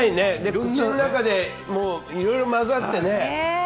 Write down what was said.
口の中でいろいろ混ざってね。